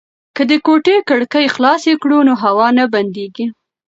که د کوټې کړکۍ خلاصې کړو نو هوا نه بندیږي.